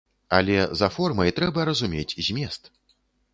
Але за формай трэба разумець змест.